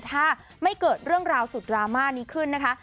ถ้าไม่เกิดเรื่องราวสุดดราม่านี้ขึ้นนะคะ